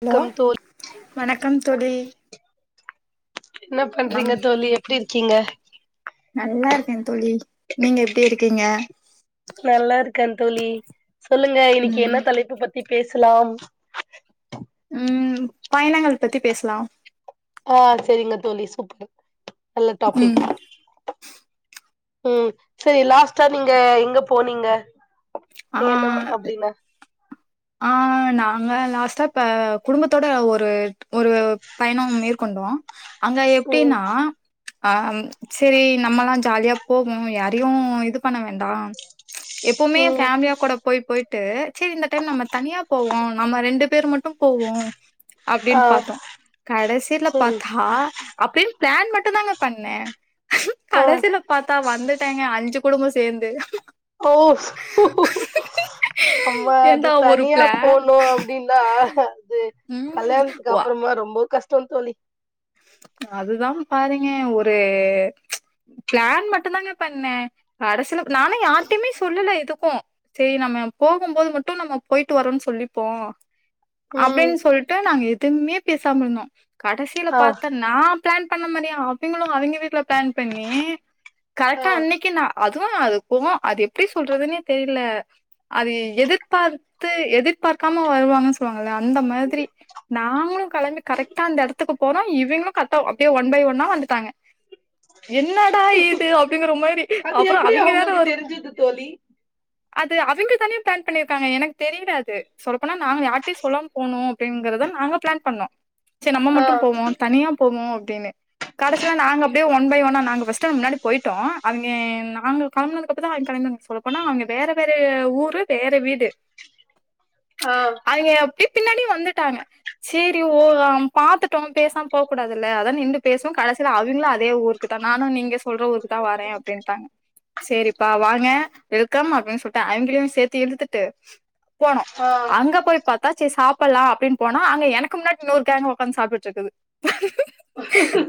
Hello வணக்கம் தோழி வணக்கம் தோழி என்ன நம் பண்றீங்க தோழி எப்டி இருக்கீங்க நல்லா இருக்கே தோழி நீங்க எப்டி இருக்கீங்க நல்லா இருக்க தோழி சொல்லுங்க இன்னைக்கி என்ன ம் தலைப்பு பத்தி பேசலா ம் பயணங்கள் பத்தி பேசலா ஆ சேரிங்க தோழி சூப்பரு நல்ல ம் டாபிக் ம் செரி லாஸ்டா நீங்க எங்க போனீங்க ஆ ஏனும் அப்டின்ன ஆ நாங்க லாஸ்ட்டா இப்ப குடும்பத்தோட ஒரு ஒரு பயணம் மேற்கொண்டோ அங்க ம் எப்டின்னா ஆ ம் செரி நம்மல்லா ஜாலியா போவோ யாரையு இது பண்ண வேண்டா எப்பவுமே ம் ஃபேமிலியா கூட போய் போய்ட்டு செரி இந்த டைம் நம்ம தனியா போவோ நம்ம ரெண்டு பேர் மட்டு போவோ ஆ அப்டின் பாத்தோ கடைசில செரி பாத்தா அப்டின் பிளான் மட்டு தாங்க பண்ணே ஆ கடசில பாத்தா வந்துட்டேங்க அஞ்சு குடும்போ சேந்து அம்ப ஏன்டா அது ஒரு தனி யா பிளா போனு அப்டின்தா அது ம் கல்யாண்த்துக்கு வா அப்புறமா ரொம்போ கஷ்டோ தோழி அதுதா பாருங்க ஒரு பிளான் மட்டு தாங்க பண்ணே அரசியல நானு யாருட்டியுமே சொல்லல எதுக்கு செரி நம்ம போகு போது மட்டு நம்ம போயிட்டு வரோன் சொல்லிப்போ ம் அப்டின் சொல்ட்டு நாங்க எதுவுமே பேசாம இருந்தோ கடசில ஆ பாத் நா பிளான் பண்ண மாரி அவிங்களு அவிங்க வீட்ல பிளான் பண்ணி கரெக்டா ஆ அன்னைக்கி நா அதுவு அது போ அது எப்டி சொல்றதுன்னே தெரியில அது எதிர்பார்த்து எதிர்பார்க்காம வருவாங்கன் சொல்லுவாங்கல்ல அந்த மாதிரி நாங்களு கெளம்பி கரெக்டா அந்த எடத்துக்கு போறோ இவிங்களு கரெட்டா அப்டியே ஒன் பை ஒன்னா வந்துட்டாங்க என்னடா இது அப்டிங்குற மாரி அது அப்புற எப்டி அவிங்க வேற அவங்களுக்கு ஒரு தெரிஞ்சது தோழி அது அவுங்க தானே பிளான் பண்ணிருக்காங்க எனக்கு தெரில அது சொல் போனா நாங்க யார்டியு சொல்லோ போணு அப்டிங்குறதா நாங்க பிளான் பண்ணோ சரி நம்ம ஆ மட்டு போவோ தனியா போவோ அப்டினு கடைசில நாங்க அப்டியே ஒன் பை ஒன்னா நாங்க ஃபஸ்ட்டு அங் முன்னாடி போயிட்டோ அவிங்க நாங்க கெலம்புனதுக் அப்ப தா [inaudible] சொல் போனா அவிங்க வேற வேற ஊரு வேற வீடு ஆ அவிங்க அப்டியே பின்னாடி வந்துட்டாங்க சரி ஓ பாத்துட்டோ பேசாம போ கூடாதுல்ல அதா நின்டு பேசுவே கடைசில அவிங்களு அதே ஊருக்கு தா நானு நீங்க சொல்ற ஊருக்குதா வரே அப்டின்ட்டாங்க சேரிப்பா வாங்க வெல்கம் அப்டின் சொல்ட்டே அவிங்களயு சேத்து இழுத்துட்டு போனோ ஆ அங்க போய் பாத் தா சேரி சாப்பல்லா அப்டின் போனா அங்க எனக்கு முன்னாடி இன்னொரு கேங்கு ஒக்காந்து சாப்ட்டுட்டு இருக்குது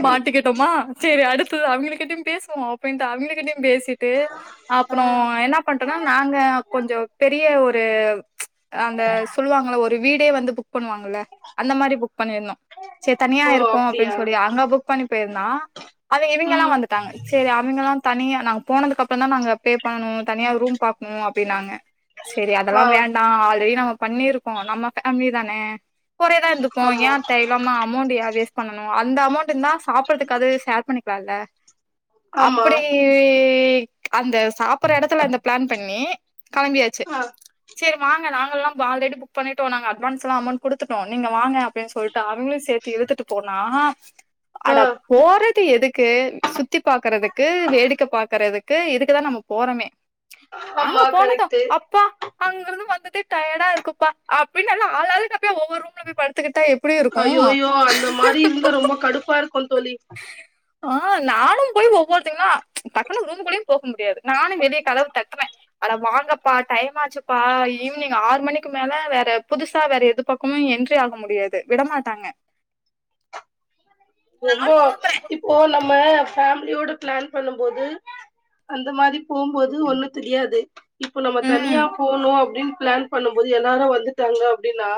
மாட்டிக்கிட்டமா சேரி அடுத்தது அவங்களுகிட்டயு பேசுவோ அப்டின்ட்டு அவங்ககிட்டயு பேசிட் ட்டு ஆ அப்றோ என்ன பண்ட்டனா நாங்க கொஞ்சோ பெரிய ஒரு ஆ அந்த சொல்வாங்கள ஒரு வீடே வந்து புக் பண்ணுவாங்கல அந்த மாரி புக் பண்ணிருந்தோ சேரி தனியா ஓ இருப்போ அப்டியா அப்டின் சொல்லி அங்க புக் பண்ணி பேயிருந்தா அது இவிங்கலா ம் வந்துட்டாங்க செரி அவிங்கல்லா தனியா நாங்க போனதுக்கு அப்றோ தா நாங்க பே பண்ணனு தனியா ரூம் பாக் க்கணு அப்டின்னாங்க சேரி அதல்லா ஆ வேண்டா ஆல்ரெடி நம்ம பண்ணிருக்கோ நம்ம ஃபேமிலி தான கூடே தா இருந்துப்போ ஆமா ஏ தேவலாம அமௌண்ட் ஏன் வேஸ்ட் பண்ணனு அந்த அமௌண்ட் ட்டு இருந்தா சாப்புட்றதுக்காது ஷேர் பண்ணிக்லாம்ல ஆமா அப்டி அந்த சாப்புட்ற எடத்துல அந்த பிளான் பண்ணி கெளம்பியாச்சு ஆ சேரி வாங்க நாங்கல்லா பால்ரெடி புக் பண்ணிட்டோ நாங்க அட்வான்ஸ்லா அமௌண்ட் குடுத்துட்டோ நீங்க வாங்க அப்டின் சொல்ட்டு அவிங்களு சேத்து இழுத்துட்டு போனா ஆ அட போறது எதுக்கு சுத்தி பாக்குறதுக்கு கு வேடிக்க பாக்குறதுக்கு இதுக்குதா நம்ம போறமே ஆமா அங்க போனதா கரெக்ட்டு அப் ப்பா அங்கருந்து வந்ததே டயடா இருக்குப்பா அப்டின் நல்லா ஆளாலுக்கு அப்டியே ஒவ்வொரு ரூம்ல போய் படு த்துக்கிட்டா எப்டி இருக்கு ஐயோயோ அந்த மாரி இருந்தா ரொம்ப கடுப்பா இருக்கு தோழி ஆ நானு போய் ஒவ்வொருத்தங்களா டக்குனு ரூம் குள்ளயு போக முடியாது நானு வெளிய கதவு தட்றே அட வாங்கப்பா டைம் ஆச்சுப்பா ஈவினிங் ஆறு மணிக்கு மேல வேற புதுசா வேற எது ப பக்கமு என்ட்ரி ஆக முடியாது விடமாட்டாங்க ரொம்போ நானும் கூப்புடுறேன். இப்போ நம்ம ஃபேமிலியோட பிளான் பண்ணம்போது அந்த மாரி போம்போது ஒன்னு தெரியாது இப்ப நம்ம தனியா ம். போனு அப்டின் பிளான் பண்ணும்போது எல்லாரு வந்துட்டாங்க அப்டின்னா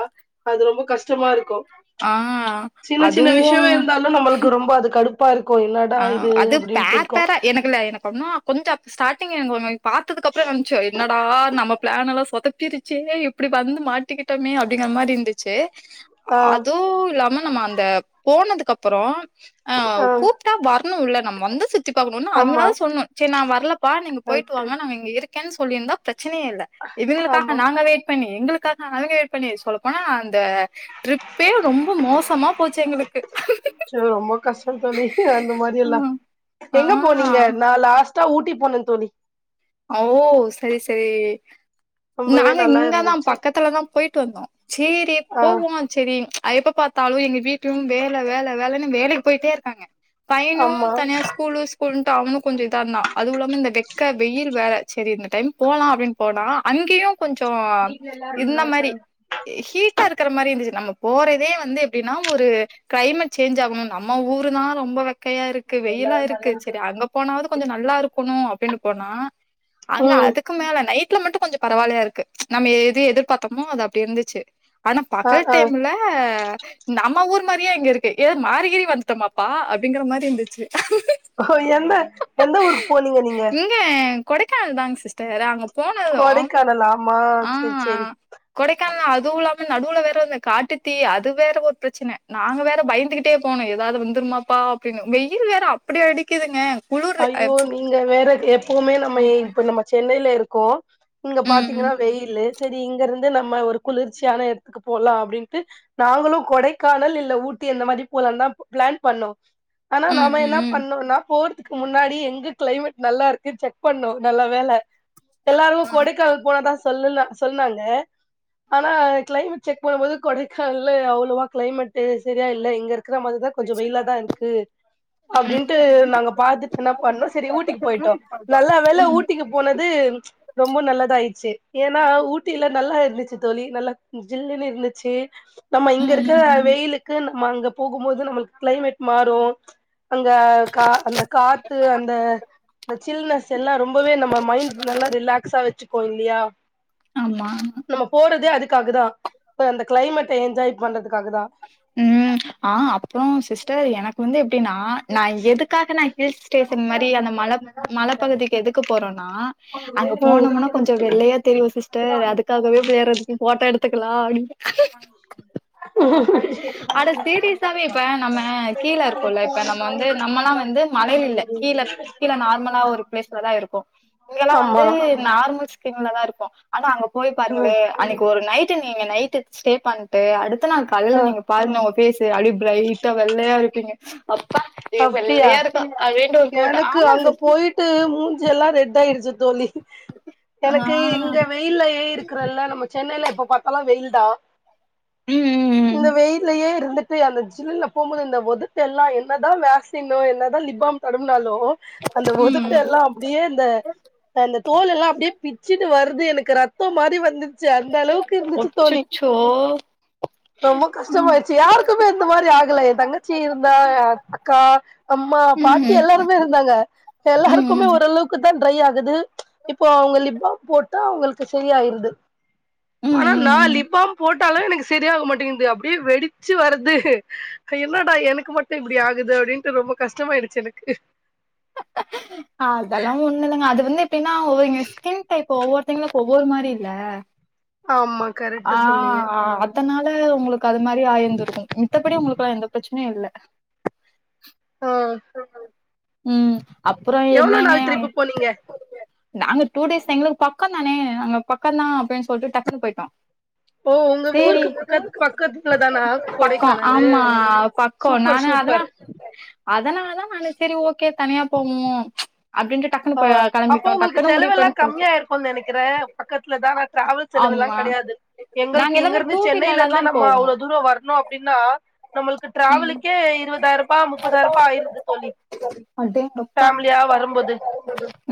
அது ரொம்ப கஷ்டமாருக்கு ஆ அதுவு இருந்தாலு நம்முளுக்கு ரொம்ப அது கடுப்பா இருக்கு என்னடா ஆ இது அது அப்டின்ட்டு பேர் இருக்கு பேரா எனக்கு இல்ல எனக்கு இன்னு கொஞ்சோ ஸ்டார்டிங் எனக்கு ஒன்னு பாத்ததுக் அப்றோ ச்ச என்னடா நம்ம பிளான் எல்லா சொதப்பிரு ச்சே இப்டி வந்து மாட்டிக்கிட்டமே அப்டிங்கிற மாரி இருந்துச்சு ஆ அதுவு இல்லாம நம்ம அந்த போனதுக்கு அப்றோ அ ஆ கூப் டா வர்ணுல நம் வந்தோ சுத்தி பாக்கணு ஒன்னு ஆமா அவங்லாது சொல்னு சேரி நா வர்லப்பா நீங்க போயிட்டு கரெக்ட்டு வாங்க நாங்க இங்க இருக் கேன் சொல்லிருந்தா பிரச்சனையே இல்ல ஆமா இவிங்களுக்காக நாங்க வெயிட் பண்ணி எங்குளுக் க்காக அவிங்க வெயிட் பண்ணி சொல்ல போனா அந்த ட்ரிப்பே ரொம்ப மோசமா போச்சு எங்குளுக்கு சோ ரொம்ப கஷ்டந் தோழி அந்த மாரியெல்லா ஆ எங்கப் போனீங்க நா லாஸ்ட் டா ஊட்டி போனந் தோழி ஓ சரி சரி ரொம்பவே நாங்க நல்லா இங்கதாம் இருந்துச்சு பக்கத்தலதாம் போயிட்டு வந்தோ சேரி ஆ போவோ செரி அ எப்ப பாத் த்தாலு எங்க வீட்டுயும் வேல வேல வேலன்னு வேலைக் போயிட்டே இருக்காங்க பைனியும் ஆமா தனியா ஸ்கூலுச் கூலுன்ட்டு அவனு கொஞ்சோ இதா இர்ந்தா அதுவு இல்லாம இந்த வெக்க வெயில் வேற செரி இந்த டைம் போலா அப்டின் போனா அங்கியும் கொஞ்சோ இர்ந்த மாரி ஹீட்டா இருக்கற மாரி இந்துச்சி நம்ம போறதே வந்து எப்டினா ஒரு கிளைமேட் சேஞ்சாகணுனு நம்ம ஊருதா ரொம்ப வெக் கையா இருக்கு வெயிலா எல்லாரும் நல்லா இருக்கு செரி அங்க போனாவாது கொஞ்ச நல்லா இருக்குணு அப்டினுப் போனா அங்க ம் அதுக் கும் மேல நைட்ல மட்டு கொஞ்சப் பரவாலயா இருக்கு நம்ம எது எதிர்பாத்தமோ அது அப்டி இருந்துச்சு ஆனா ஆ பகல் ஆ டைம்லே நம்ம ஊர் மாரியே இங்க இருக்கு ஏது மாரிகிரி வந்துட்டோமாப்பா அப்டிங்கிற மாரி இந்துச்சு ஓ எந்த எந்த ஊருக் போனீங்க நீங்க இங்க கொடைக்கானல்தாங் சிஸ்டர் அங்கப் போனது கொடைக்கானல் ஆமா ஆ சேரி சேரி கொடைக்கானல அதுவு இல்லாம நடுவுல வேற வந்த காட்டுத் தீ அது வேற ஒரு பிரச்சன நாங்க வேற பயந்துகிட் டே போனோ எதாது வந்துருமாப்பா அப்டின்னு வெயில் வேற அப்டி அடிக்கிதுங்க ஐயோ நீங்க வேற எப்பவுமே நம்ம எ இப்ப நம்ம சென்னைல இருக்கோ இங்க பாத்தீங்கனா ம் வெயிலு செரி இங்கிருந்து நம்ம ஒரு குளிர்ச்சியான எட்த்துக்கு போலா அப்டின்ட்டு நாங்களு கொடைக்கானல் இல்ல ஊட்டி அந்த மாரிப் போலான்தாம் பிளான் பண்ணோ ஆனா ம் நாம ம் என்னாப் ம் பண்ணோனா போற் துக்கு முன்னாடி எங்க கிளைமேட் நல்லாருக்கு செக் பண்ணோ நல்லா வேல எல்லாரு கொடைக்கானல் போலான்தா சொல்லுல சொல்னாங்க ஆனா கிளைமேட் செக் பண்ணம்மோது கொடைக்கானல்ல அவ்ளோவா கிளைமேட்டு செரியா இல்ல இங்கருக் க்ற மாரிதா கொஞ்சோ வெயிலாதா இர்க்கு ம் அப்டின்ட்டு நாங்கப் பாத்துட் என்னாப் பண்ணோ செரி ஊட்டிக்கு போயிட்டோ நல்ல வேல ஊட்டிக்கு போனது ரொம்ப நல்லதாயிட்ச்சு ஏனா ஊட்டில நல்லா இருந்திச்சி தோழி நல்லா ஜில்லுனு இருந்திச்சி நம்ம ம் இங்க இருக்கற ம் வெயிலுக்கு ந நம்ம அங்க போகும்போது நம்மளுக் கிளைமேட் மாறு அங்க கா அந்தக் காத்து அந்த ஜில்னஸ் எல்லா ரொம்பவே நம்ம மைண்ட் நல்லா ரிலாக்ஸா வெச்சுக் கு இல்லியா ஆமா நம்ம போறதே அதுக்காகதா இப்ப அந்த கிளைமேட்ட என்ஜாய் பண்றதுக்காகதா ம் ஆ அப்றோ சிஸ்டர் எனக் கு வந்து எப்டினா நா எதுக்காக நா ஹில் ஸ்டேஷன் மாரி அந்த மலப் மலப்பகுதிக்கு எதுக் கு போறோனா அங்கப் போனம்மனா கொஞ்சோ வெள்ளையாத் தெரிவோ சிஸ்டர் அதுக்காகவேப் போயறது அ போட்டோ எடுத்துக்கலா அப்டின்னு [inaudible] அட சீடியஸாவே இப்ப நம்ம கீழ இருக்கோல்ல இப்ப நம்ம வந்து நம்மலா வந்து மலைல இல்ல கீழர்க் கீழ நார்மலா ஒரு பிளேஸ்லதா இருக்கோ இங்கெலா ஆமா வந்து நார்மல் ஸ்கின்லதா இருப்போ ஆனா அங்க போய் பாருங்களே ம் அன்னைக்கு ஒரு நைட்டு நீங்க நைட்டு ஸ்டே பண்ட்டு அடுத்த நாள் காலைல ஆ நீங்கப் பாருங்க உங்க ஃபேசு அப்டே பிரைட்டா வெள்ளையா இருப்பீங்க அப்பா தே அப்டியா வெள்ளையா இருக்கு அப்டே எனக்கு அங்க போயிட் ட்டு மூஞ்சி எல்லா ரெட் ஆயிடுச்சு தோழி எனக்கு இங்க ஆ வெயில்லயே இருக்குறல்ல நம்ம சென்னையில எப்ப பாத்தாலு வெயில்டா ம் ம் இந்த வெயிலயே இருந்து அந்த ஜில்ல போம்போது இந்த ஒதட்ட எல்லா என்னதா வேக்சினோ என்னதா லிப்பாம் தடவுனாலு அந்த ம் ஒதட்ட ம் எல்லா அப்டியே இந்த அந்த தோல் எல்லா அப்டியே பிச்சுட்டு வருது எனக்கு ரத்த மாரி வந்து ச்சி அந்த அளவுக்கு இருந்துச்சு தோழி அச்சச்சோ ரொம்ப கஷ்டம் அயிருச் யாருக்குமே இந்த மாரி ஆகல எ தங்கச்சி இந்தா அக்கா அம்மா ம் பாட் டி ம் எல்லாருமே இருந்தாங்க ம் எல்லாருக்குமே ம் ஓரளவுக்கு தா ட்ரை ஆகுது இப்போ உங்க லிப்பாம் போட்டா அவுங்களுக்கு செரி ஆயிருது ம் ஆனா நா ம் ம் லிப்பாம் போட்டாலு எனக்கு சரியாக மாட்டேங்குது அப்டியே வெடிச்சு வருது என்னடா எனக்கு மட்டு இப்பிடி ஆகுது அப்பிடின்னுட்டு ரொம்ப கஷ்டமாயிடுச்சி எனக்கு அதெல்லா ஒண்ணுலிங்க அது வந்து எப்பிடினா ஒருங்க ஸ்கின் டைப் ஒவ்வொருத்தங்க ஒவ்வொரு மாரி இல்ல ஆமா கரெட் ஆ அதனால உங்களுக்கு அது மாரி ஆயிருந்துருக்கு மித்தபடி உங்களுக்கு எல்லா எந்த பிரச்சனையு இல்ல ஓ ம் அப்புறோ எவ்ளோ என்னங்க நாள் ட்ரிப்பு போனீங்க நாங்க டூ டேஸ் எங்களுக்கு பக்க தானே நாங்க பக்க தா அப்டினு சொல்லிட்டு டக்குனு போயிட்டோ ஓ உங்க சேரி ஊருக்கு பக்கத் பக்கத்துல தானா பக்கோ கொடைக்கானலு ஆமா பக் கோ சூப்பர் நானு சூப்பர் அதன அதனால தா நானு சரி ஓகே தனியா போகுவோ அப்டின்ட்டு டக்குன்னு ஆ போய் அப்போ கெளம்பிட்டோம். உங்களுக்கு டக்குன்னு முடிவு செலவு எல்லா பண்ணி போச்சு. கம்மியா இருக்குன் நெனக்கிறே பக்கத்துலதான அ டிராவல் செலவுல்லா ஆமா. கெடையாது நாங்க எங்களுக்கு இங்க எல்லாமே இருந்து டூ சென்னையில வீலர்ல இருந்து தான் நம்ம போவோம். அவ்ளோ தூர வரணு அப்டினா நம்மளுக்கு ம். டிராவலுக்கே இருபதாயிர ரூபா முப்பதாயிர ரூபா ஆயிருது தோழி அடேங்கப் ஃபேமிலியா வரும்போது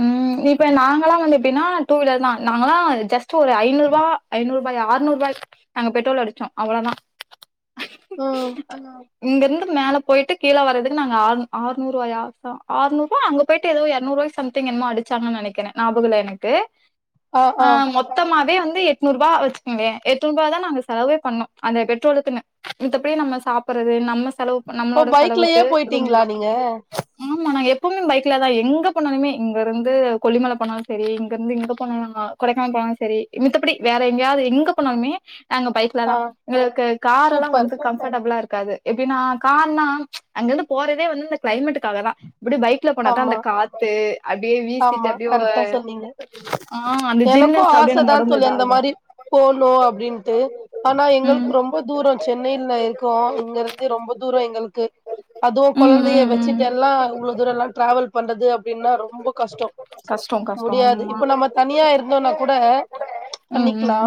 ம் இப்ப நாங்கல்லா வந்து எப்டின்னா டூ வீலர் தா நாங்களா ஜஸ்ட் ஒரு ஐநூறுவா ஐநூறுபாயா ஆறுநூறுவாய் நாங்க பெ்ரோல் அடிச்சோ அவ்ளோதா ம் இங்க இருந்து மேல போயிட்டு கீழ வர்றதுக்கு நாங்க ஆர்நூ ஆர்நூருவாயா ஆநூறு ரூபா அங்க போய்ட்டு ஏதோ எரநூறுூவாயோ சம்தி்ங் என்னமோ அடிச்சாங்க நெனக்கிறே ஞாபக இல்ல எனக்கு ஆ மொத் த்தமாவே வந்து எட்நூறு ரூபா வச்சுக்கங்களே எட்நூறுூபா தா நாங்க செலவே பண்ணோ அந்த பெட்ரோலுக்குனு எப்டி நம்ம சாப்புறது நம்ம செலவுக் ஓ நம்மளோட பைக்லயே செலவுக்கு ரூம்பு போயிட்டீங்களா தா நீங்க ஆமா நாங்க எப்பவுமே பைக்லதா எங்க போன்னாலுமே இங்க இருந்து கொல்லிமல போனாலுமே சரி இங்க இருந்து எங்க போனாலு கொடைக்கானல் போனாலு சரி மித்தபடி வேற எங்கயாவது எங்க போன்னாலுமே நாங்க பைக் ல தா ஆ எங்களுக்கு காரல்லா சூப்பர் வந்து கம்ஃபட்டபுளா இருக்காது எப்டினா காருனா அங்கிருந்து போறதே வந்து இந்த கிளைமேட்டுக்காக தா இப்டி பைக்ல போனாதா ஆமா அந்த காத்து அப்டியே வீசிட்டு ஆமா அப்டியே கரெக்டா சொன்னீங்க ஆ அந்த ஜில்ன்னஸ் அப்டியே நம்ம உடம்புல இதாகு போனு அப்டின்ட்டு ஆனா உம் எங்களுக்கு ரொம்ப தூர சென்னையில இருக் கோ இங்க இருந்து ரொம்ப தூர எங்களுக்கு அதுவு உம் கொழந்தைய உம் உம் வெச்சிட்டு எல்லா இ்வ்ளோ தூரல்லா டிராவல் பண்றது அப்டின்னா ரொம்ப கஷ்டோ கஷ்டம் கஷ்டம் முடியாது ஆமா இப்ப நம்ம தனியா இருந்தோனா கூட உம் உம் பண்ணிக்கலா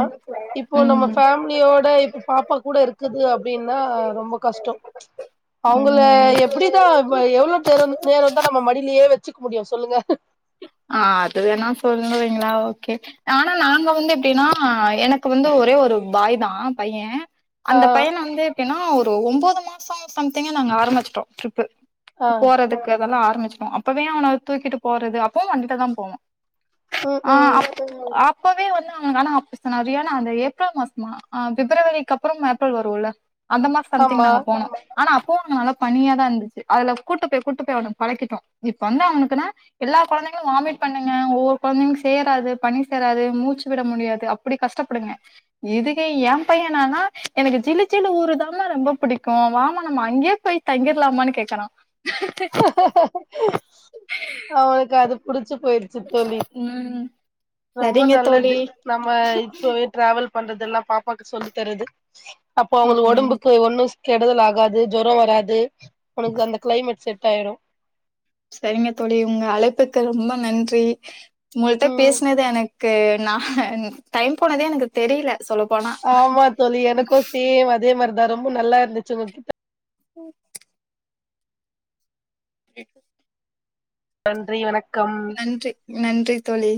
இப்போ நம்ம உம் ஃபே லியோட இப்ப பாப்பா கூட இருக்குது அப்டின்னா ரொம்ப கஷ்டோ அவுங்கள உம் எ ப்பிடிதா எவ்ளோ தேரோ நேரோந்தா நம்ம மடிலே வச்சிக்க முடியு சொல்லுங்க ஆ அது வேணா சொல்லுவீங்களா ஓகே ஆனா நாங்க வந்து எப்டினா எனக்கு வந்து ஒரே ஒரு பாய் தா பையே ஆ அந்த பையன வந்து எப்பிடினா ஒரு ஒம்போது மாசோ சம்திங்கே நாங்க ஆரம்மிச்சுட்டோ ட்ரிப்பு ஆ போறதுக்கு அதெல்லா ஆரம்மிச்சுட்டோ அப்பவே அவன தூக்கிட்டு போறது அப்பவு வண்டில தா போவோ ம் ஆ ம் அப் அப்பவே வந்து அவுங்களுக்கான [unintelligible] நறியானா அந்த ஏப்ரல் மாசமா ஆ பிப்ரவரிக்கப்பறம் ஏப்ரல் வருல்ல அந்த மாச சம்திங் ஆமா நாங்க போனோ ஆனா அப்பவு அங்க நல்ல பனியாதாருந்துச்சி அதுல கூட்டு போய் கூட்டு போய் அவன பழக்கிட்டோ இப்ப வந்து அவனுக்குனா எல்லா கொழந்தைங்களு வாமிட் பண்ணுங்க ஒவ்வொரு கொழந்தைகளுக் சேராது பணி சேராது மூச்சு விட முடியாது அப்டி கஷ்டப்படுங்க இதுக்கு ஏ பையே என்னானா எனக்கு சிலு சிலு ஊரு தாமா ரொம்ப புடிக்கு வாமா நம்ம அங்கயே போய் தங்கிர்லாமான் கேக்குறா அவனுக்கு அது புடிச்சி போய்ரு ச்சு தோழி ம் ரொம்ப சரிங்க தோழி நல்லது நம்ம இப்பவே டிராவல் பண்றதெல்லா பாப்பாக்கு சொல்லி தரது அப்போ அவுங்களு ம் ஒடம்புக்கு ஒன்னு கெடுதல் ஆகாது ஜொரோ வராது ஒனக்கு அந்த கிளைமெட் செட்டாயிடு செரிங்க தோழி உங்க அழைப்புக்கு ரொம்ப நன்றி உங்கள்ட்ட ம் பேசுனது என க்கு நா டைம் போனதே எனக்கு தெரில சொல்ல போனா ஆமா தோழி எனக்கு சேம் அதே மார்தா ரொம்ப நல்லாருந்துச்சு உங்க கிட்ட [inaudible] [unintelligible] [inaudible] நன்றி வண நன்றி நன்றி தோழி